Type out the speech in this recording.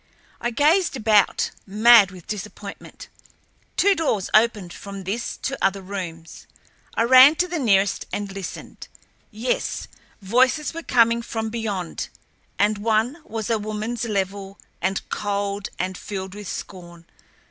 I gazed about, mad with disappointment. Two doors opened from this to other rooms. I ran to the nearer and listened. Yes, voices were coming from beyond and one was a womanl's, level and cold and filled with scorn.